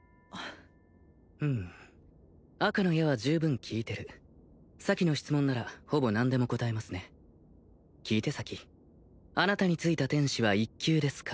うん赤の矢は十分効いてる咲の質問ならほぼ何でも答えますね聞いて咲あなたについた天使は１級ですか？